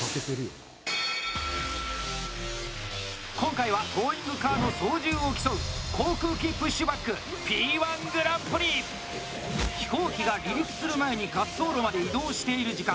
今回はトーイングカーの操縦を競う飛行機が離陸する前に滑走路まで移動している時間。